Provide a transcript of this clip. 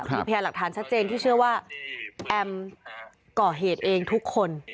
มีพยานหลักฐานชัดเจนที่เชื่อว่าแอมก่อเหตุเองทุกคน